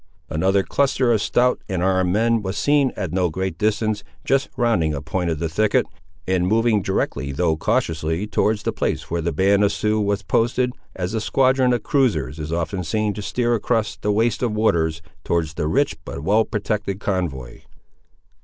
Another cluster of stout and armed men was seen at no great distance, just rounding a point of the thicket, and moving directly though cautiously towards the place where the band of the Siouxes was posted, as a squadron of cruisers is often seen to steer across the waste of waters, towards the rich but well protected convoy.